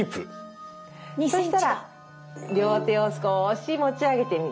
そしたら両手を少し持ち上げてみる。